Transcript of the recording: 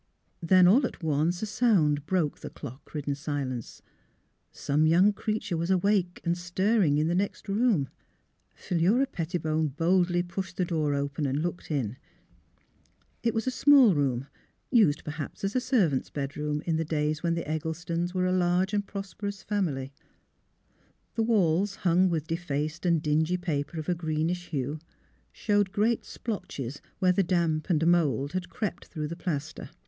Then all at once a sound broke the clock ridden silence ; some young creature was awake and stiring in the next room. Philura Pettibone boldly pushed the door open and looked in. It was a small room, used per haps as a servant's bedroom, in the days when the Egglestons were a large and prosperous family. SYLVIA'S CHILD 279 The walls, hung with defaced and dingy paper of a greenish hue, showed great splotches where the damp and mould had crept through the plaster.